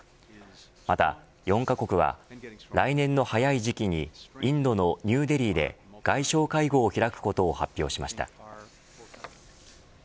また、４カ国は来年の早い時期にインドのニューデリーで外相会合を開くことを発表しました。